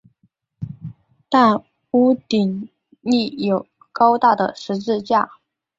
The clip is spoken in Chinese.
但屋顶立有高大的十字架。